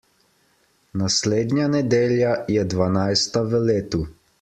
Naslednja nedelja je dvanajsta v letu.